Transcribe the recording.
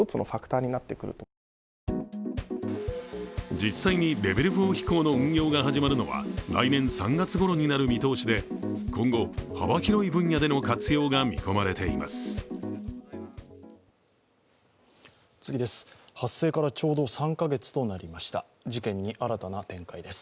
実際にレベル４飛行の運用が始まるのは来年３月ごろになる見通しで今後、幅広い分野での活用が見込まれています。